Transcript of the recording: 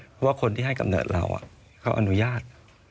เพราะว่าคนที่ให้กำเนิดเราเขาอนุญาต